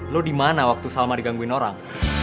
lo dimana waktu salma digangguin orang